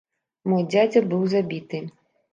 Мой дзядзя быў забіты.